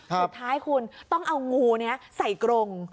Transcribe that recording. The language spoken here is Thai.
สุดท้ายคุณต้องเอางูนี้ใส่กรง